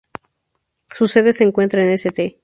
Su sede se encuentra en St.